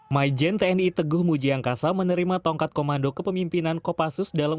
hai my gen tni teguh mujiangkasa menerima tongkat komando kepemimpinan kopassus dalam